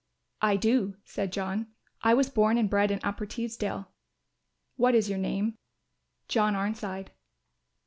"I do," said John; "I was born and bred in Upper Teesdale." "What is your name?" "John Arnside."